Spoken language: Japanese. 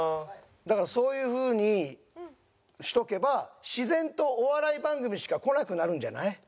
だからそういうふうにしとけば自然とお笑い番組しかこなくなるんじゃない？